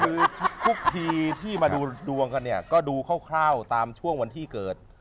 คือทุกทีที่มาดูดวงกันเนี่ยก็ดูคร่าวตามช่วงวันที่เกิด